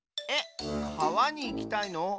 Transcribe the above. えっかわにいきたいの？